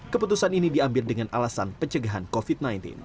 keputusan ini diambil dengan alasan pencegahan covid sembilan belas